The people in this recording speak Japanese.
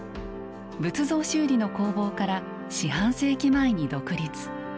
仏像修理の工房から四半世紀前に独立。